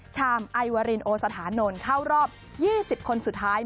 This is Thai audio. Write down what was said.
ชามไอวารินโอสถานนนท์เข้ารอบ๒๐คนสุดท้าย